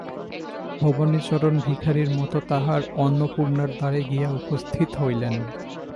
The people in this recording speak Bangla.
ভবানীচরণ ভিখারীর মতো তাঁহার অন্নপূর্ণার দ্বারে গিয়া উপস্থিত হইলেন।